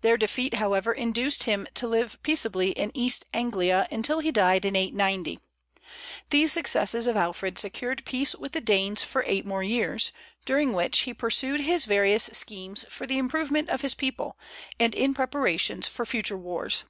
Their defeat, however, induced him to live peaceably in East Anglia until he died in 890. These successes of Alfred secured peace with the Danes for eight more years, during which he pursued his various schemes for the improvement of his people, and in preparations for future wars.